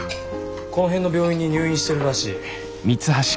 この辺の病院に入院してるらしい。